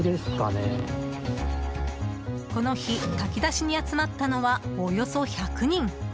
この日、炊き出しに集まったのは、およそ１００人。